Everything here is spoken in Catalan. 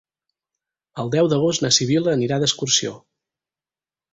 El deu d'agost na Sibil·la anirà d'excursió.